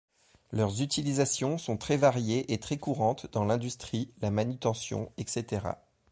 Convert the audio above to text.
Leurs utilisations sont très variées et très courantes dans l'industrie, la manutention, etc.